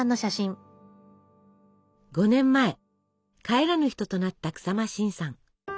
５年前帰らぬ人となった日馬伸さん。